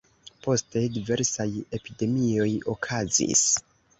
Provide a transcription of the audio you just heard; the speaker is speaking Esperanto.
Poste diversaj epidemioj okazis.